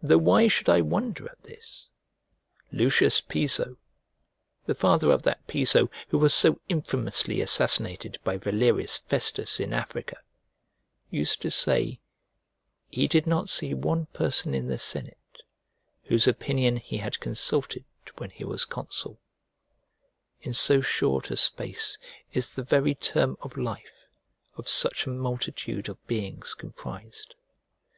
Though why should I wonder at this? Lucius Piso (the father of that Piso who was so infamously assassinated by Valerius Festus in Africa) used to say, he did not see one person in the senate whose opinion he had consulted when he was consul: in so short a space is the very term of life of such a multitude of beings comprised!